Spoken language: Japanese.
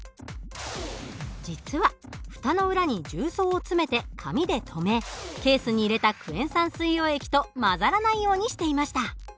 実は蓋の裏に重曹を詰めて紙でとめケースに入れたクエン酸水溶液と混ざらないようにしていました。